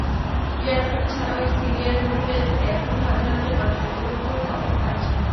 ইয়ারমুক ছাড়াও সিরিয়ার বিভিন্ন স্থানে এখনো হাজার হাজার মানুষ অবরুদ্ধ অবস্থায় আছে।